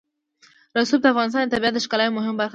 رسوب د افغانستان د طبیعت د ښکلا یوه مهمه برخه ده.